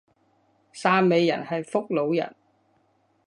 汕尾人係福佬人